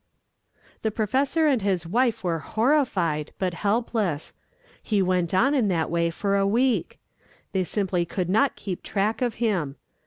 The professor and his wife were horrified, but helpless. He went on in that way for a week. They simply could not keep track of him.